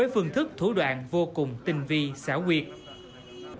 với phương thức thủ đoạn vô cùng tinh vi xảo quyệt